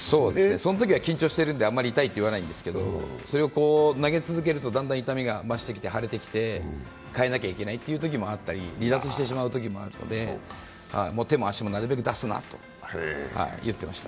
そのときは緊張しているのであまり痛いと言わないんですけど、それを投げ続けるとだんだん痛みが増してきて腫れてきて、交代したり離脱してしまうときもあるので、手も足もなるべく出すなと言ってました。